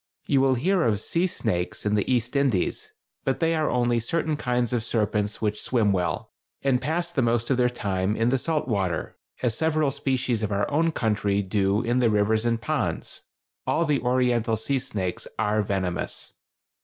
You will hear of "sea snakes" in the East Indies, but they are only certain kinds of serpents which swim well, and pass the most of their time in the salt water, as several species of our own country do in the rivers and ponds; all the oriental sea snakes are venomous.